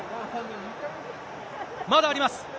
まだあります。